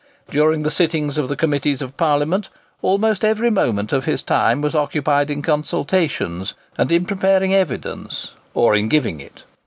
During the sittings of the committees of Parliament, almost every moment of his time was occupied in consultations, and in preparing evidence or in giving it.